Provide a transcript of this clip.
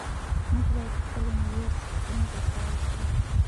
موږ باید د خپلو ملي ارزښتونو دفاع وکړو.